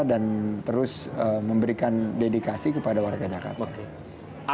dan terus memberikan dedikasi kepada warga jakarta